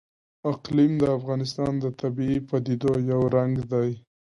اقلیم د افغانستان د طبیعي پدیدو یو رنګ دی.